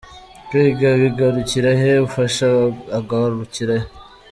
Kwiga bigarukira he? Ufasha agarukira he?.